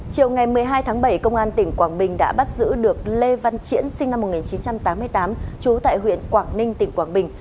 chiều ngày một mươi hai tháng bảy công an tỉnh quảng bình đã bắt giữ được lê văn triển sinh năm một nghìn chín trăm tám mươi tám trú tại huyện quảng ninh tỉnh quảng bình